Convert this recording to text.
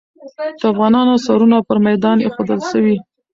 د افغانانو سرونه پر میدان ایښودل سوي.